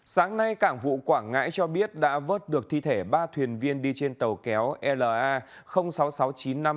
sáng nay cảng vụ quảng ngãi cho biết đã vớt được thi thể ba thuyền viên đi trên tàu kéo la sáu nghìn sáu trăm chín mươi năm